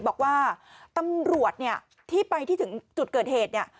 บอกว่าตำรวจที่ไปที่ถึงจุดเกิดเหตุ